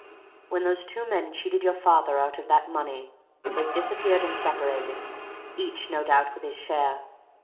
When those two men cheated your father out of that money, they disappeared and separated each, no doubt, with his share.